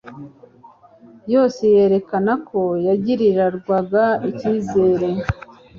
yose yerekana ko yagirirwaga icyizere